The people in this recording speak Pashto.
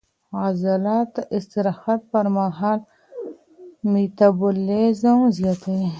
عضلات د استراحت پر مهال میټابولیزم زیاتوي.